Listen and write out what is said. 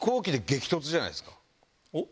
おっ？